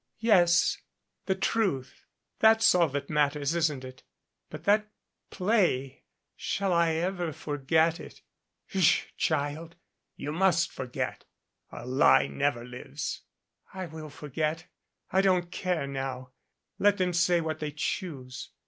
"Yes the truth. That is all that matters, isn't it? But that play shall I ever forget it?" "Sh child. You must forget. A lie never lives." "I will forget. I don't care now. Let them say what they choose.